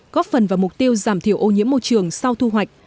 góp phần vào mục tiêu giảm thiểu ô nhiễm môi trường sau thu hoạch